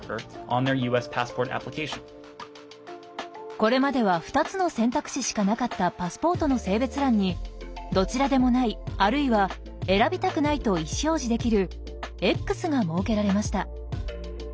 これまでは２つの選択肢しかなかったパスポートの性別欄に「どちらでもない」あるいは「選びたくない」と意思表示できる「Ｘ」が設けられました。